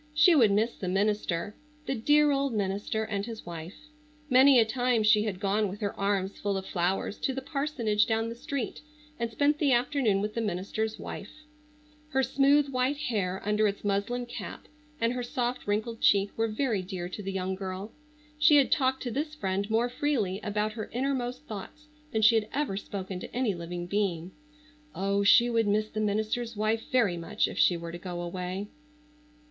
She would miss the minister,—the dear old minister and his wife. Many a time she had gone with her arms full of flowers to the parsonage down the street, and spent the afternoon with the minister's wife. Her smooth white hair under its muslin cap, and her soft wrinkled cheek were very dear to the young girl. She had talked to this friend more freely about her innermost thoughts than she had ever spoken to any living being. Oh, she would miss the minister's wife very much if she were to go away.